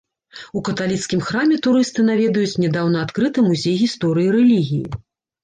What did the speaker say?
У каталіцкім храме турысты наведаюць нядаўна адкрыты музей гісторыі рэлігіі.